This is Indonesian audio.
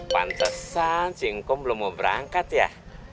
pantesan singkong belum mau berangkat ya